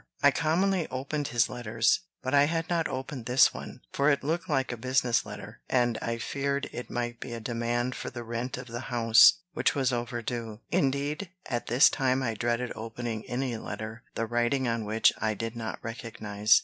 I commonly opened his letters; but I had not opened this one, for it looked like a business letter, and I feared it might be a demand for the rent of the house, which was over due. Indeed, at this time I dreaded opening any letter the writing on which I did not recognize.